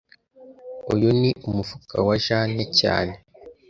Uyu ni umufuka wa Jane cyane